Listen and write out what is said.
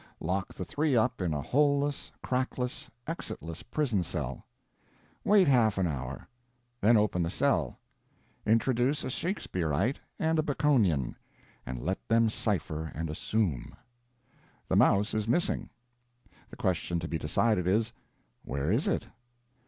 Lock the three up in a holeless, crackless, exitless prison cell. Wait half an hour, then open the cell, introduce a Shakespearite and a Baconian, and let them cipher and assume. The mouse is missing: the question to be decided is, where is it?